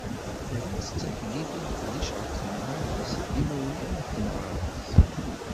Rran-tt d taklit i leqdic ɣef temɣart-is d yimawlan n temɣart-is.